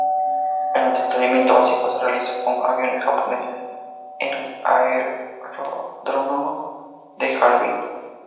El entrenamiento básico se realizó con aviones japoneses en el aeródromo de Harbin.